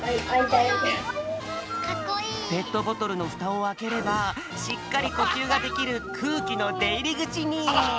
ペットボトルのフタをあければしっかりこきゅうができるくうきのでいりぐちに！